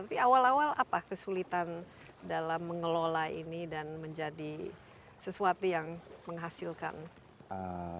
tapi awal awal apa kesulitan dalam mengelola ini dan menjadi sesuatu yang menghasilkan